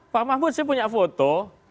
pak mahfud saya punya foto